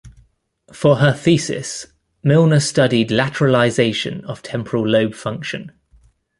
For her thesis, Milner studied lateralization of temporal lobe function.